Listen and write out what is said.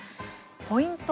ポイント